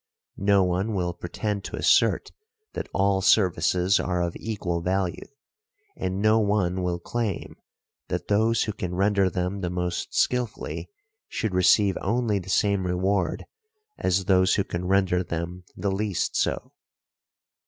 No one will pretend to assert that all services are of equal value, and no one will claim that those who can |19| render them the most skilfully should receive only the same reward as those who can render them the least so.